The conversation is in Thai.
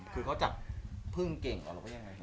คือเขาจับพึ่งเก่งหรือว่ายังไง